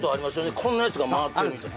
こんなやつが回ってるあるんですよね？